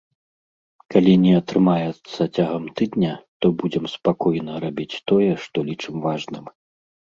Калі не атрымаецца цягам тыдня, то будзем спакойна рабіць тое, што лічым важным.